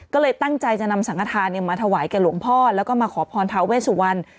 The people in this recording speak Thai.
ก็เลยตั้งใจจะนำสังฆฐานมาถวายแก่หลวงพ่อแล้วก็มาขอพรทาเวสุวรรณ